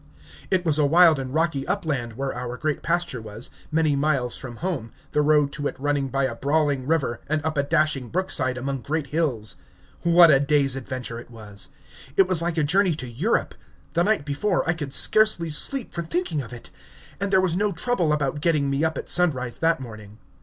It was a wild and rocky upland where our great pasture was, many miles from home, the road to it running by a brawling river, and up a dashing brook side among great hills. What a day's adventure it was! It was like a journey to Europe. The night before, I could scarcely sleep for thinking of it! and there was no trouble about getting me up at sunrise that morning.